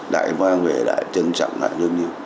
đại ông mang về đại ông trân trọng lại rất nhiều